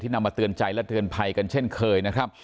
นำมาเตือนใจและเตือนภัยกันเช่นเคยนะครับ